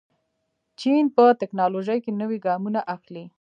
چین په تکنالوژۍ کې نوي ګامونه اخلي.